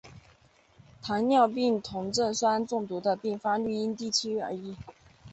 糖尿病酮症酸中毒的病发率因地区而异。